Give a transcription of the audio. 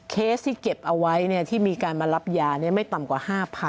เคสที่เก็บเอาไว้ที่มีการมารับยาไม่ต่ำกว่า๕๐๐๐